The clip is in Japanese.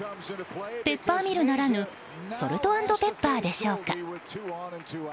ペッパーミルならぬソルト＆ペッパーでしょうか。